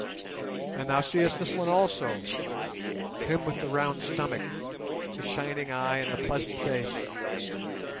And thou seest this one also; him with the round stomach, the shining eye, and the pleasant face.